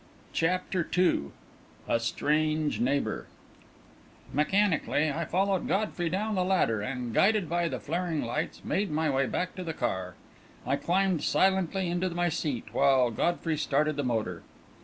CHAPTER II A STRANGE NEIGHBOUR Mechanically I followed Godfrey down the ladder, and, guided by the flaring lights, made my way back to the car. I climbed silently into my seat, while Godfrey started the motor.